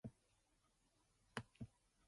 Females are the same as males, but lacking any blue.